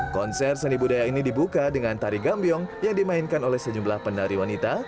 konser seni budaya ini dibuka dengan tari gambiong yang dimainkan oleh sejumlah penari wanita